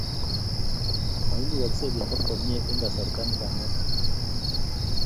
maimugaksei kechop komie eng kasarta nekanget